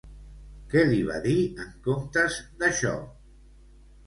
Què li va dir en comptes d'això?